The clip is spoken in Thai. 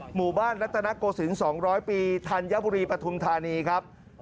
หมู่บ้านรัตนโกศิลป์๒๐๐ปีธัญบุรีปฐุมธานีครับ